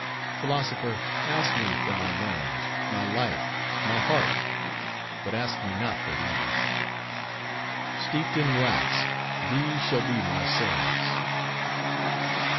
—Philosopher, ask me for my limbs, my life, my heart, but ask me not for these. Steeped in wax, these shall be my cerements."